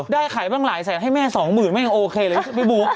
ได้ขายบ้างหลายแสนให้แม่๒หมื่นแม่งโอเคเลยพี่บุ๊ค